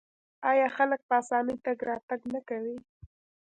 آیا خلک په اسانۍ تګ راتګ نه کوي؟